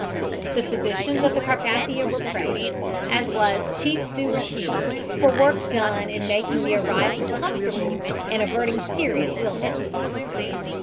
The physicians of the Carpathia were praised, as was Chief Steward Hughes, for work done in making the arrivals comfortable and averting serious illness.